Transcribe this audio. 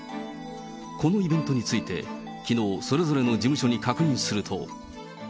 このイベントについて、きのう、それぞれの事務所に確認すると。